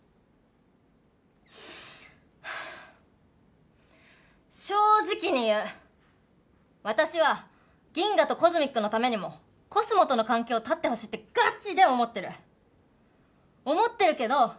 ハァ正直に言う私はギンガとＣＯＳＭＩＣのためにもコスモとの関係を絶ってほしいってガチで思ってる思ってるけど！